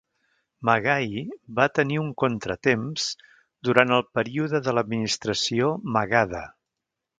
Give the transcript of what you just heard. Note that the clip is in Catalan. Magahi va tenir un contratemps durant el període de l'administració Magadha.